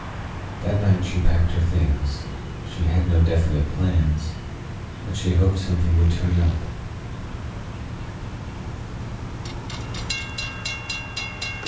That night she packed her things. She had no definite plans, but she hoped something would turn up.